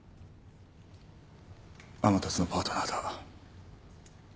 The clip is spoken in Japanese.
天達のパートナーだ。